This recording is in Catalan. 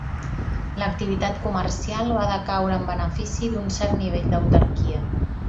L'activitat comercial va decaure en benefici d'un cert nivell d'autarquia.